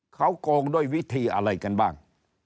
เขาโกงด้วยวิธีอะไรกันบ้าง